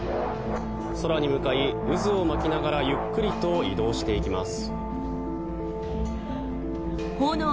空に向かい渦を巻きながらゆっくりと移動していきます。